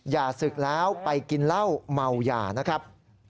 อย่าสึกแล้วไปกินเหล้าเมาหย่านะครับ